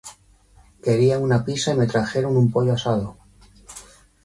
quería una pizza y me trajeron un pollo asado